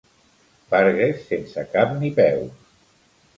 Fargues sense cap ni peus.